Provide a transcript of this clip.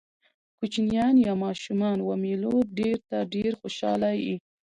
کوچنيان يا ماشومان و مېلو ډېر ته ډېر خوشحاله يي.